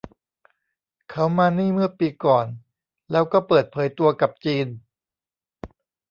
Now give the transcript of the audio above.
เขามานี่เมื่อปีก่อนแล้วก็เปิดเผยตัวกับจีน